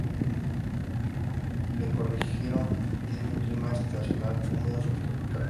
La ecorregión tiene un clima estacional húmedo subtropical.